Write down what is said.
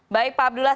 baik pak abdullah